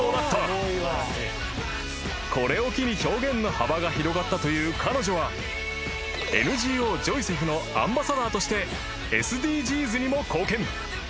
［これを機に表現の幅が広がったという彼女はＮＧＯジョイセフのアンバサダーとしてＳＤＧｓにも貢献］